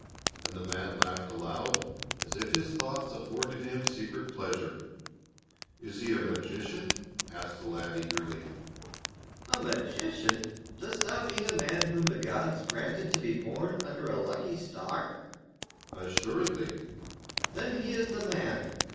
and the man laughed aloud, as if his thoughts afforded him secret pleasure. "Is he a magician?" asked the lad eagerly. "A magician? Dost thou mean a man whom the gods granted to be born under a lucky star?" "Assuredly!" "Then he is the man."